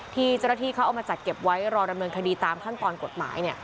ที่เจ้าหน้าที่เขาเอามาจัดเก็บไว้รอดำเนินคดีตามขั้นตอนกฎหมาย